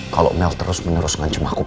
kalo mel terus menerus ngancam aku pak